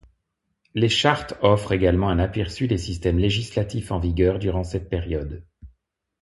Les chartes offrent également un aperçu des systèmes législatifs en vigueur durant cette période.